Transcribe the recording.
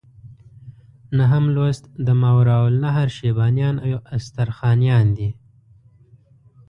نهم لوست د ماوراء النهر شیبانیان او استرخانیان دي.